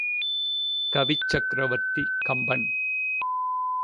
கவிச் சக்ரவர்த்தி கம்பன்.